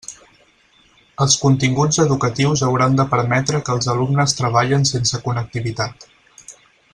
Els continguts educatius hauran de permetre que els alumnes treballen sense connectivitat.